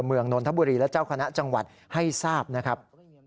นนทบุรีและเจ้าคณะจังหวัดให้ทราบนะครับ